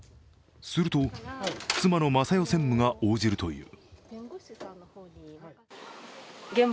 すると、妻の昌代専務が応じるという。